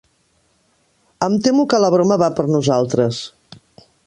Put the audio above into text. Em temo que la broma va per nosaltres.